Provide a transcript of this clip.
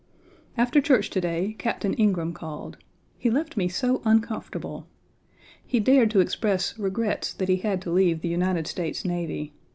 After church to day, Captain Ingraham called. He left me so uncomfortable. He dared to express regrets that he had to leave the United States Navy.